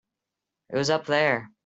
It was up there.